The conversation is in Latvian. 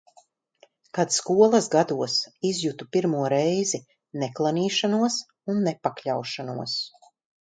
Kad skolas gados izjutu pirmo reizi neklanīšanos un nepakļaušanos.